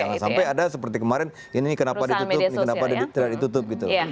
jangan sampai ada seperti kemarin ini kenapa ditutup ini kenapa tidak ditutup gitu